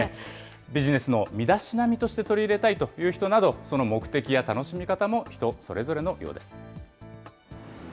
ビジネスの身だしなみとして取り入れたいという人など、その目的や楽しみ方も、人それぞれのようです。